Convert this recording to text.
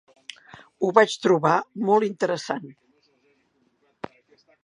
Ho vaig trobar molt interessant.